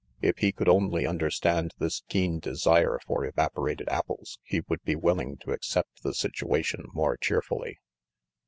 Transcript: If he could only understand this keen desire for evaporated apples he would be willing to accept the situation more cheerfully.